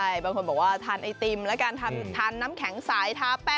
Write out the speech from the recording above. ในประเทศไทยเข้ายร้อนกันแบบไหนครับ